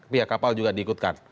pihak kapal juga diikutkan